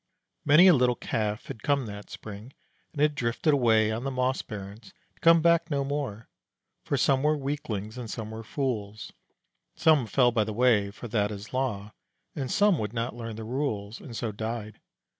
Many a little Calf had come that spring, and had drifted away on the moss barrens, to come back no more; for some were weaklings and some were fools; some fell by the way, for that is law; and some would not learn the rules, and so died.